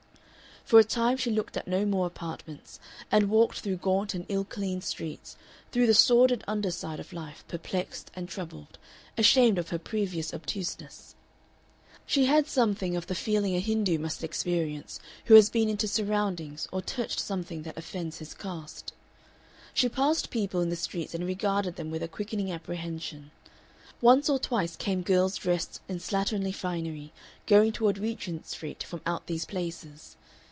For a time she looked at no more apartments, and walked through gaunt and ill cleaned streets, through the sordid under side of life, perplexed and troubled, ashamed of her previous obtuseness. She had something of the feeling a Hindoo must experience who has been into surroundings or touched something that offends his caste. She passed people in the streets and regarded them with a quickening apprehension, once or twice came girls dressed in slatternly finery, going toward Regent Street from out these places.